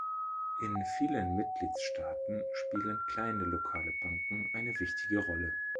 In vielen Mitgliedstaaten spielen kleine lokale Banken eine wichtige Rolle.